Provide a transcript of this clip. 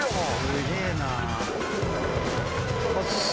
すげぇな。